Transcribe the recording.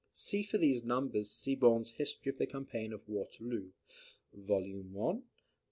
[See for these numbers Siborne's History of the Campaign of Waterloo, vol. i. p.